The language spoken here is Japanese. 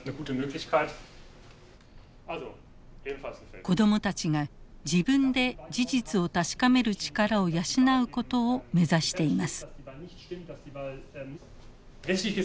子供たちが自分で事実を確かめる力を養うことを目指しています。